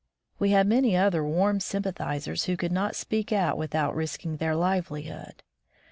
We had many other warm sympathizers who could not speak out without risking their livelihood.